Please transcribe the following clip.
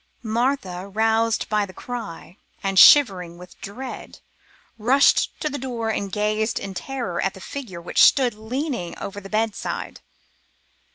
Martha, roused by the cry, and shivering with dread, rushed to the door and gazed in terror at the figure which stood leaning over the bedside.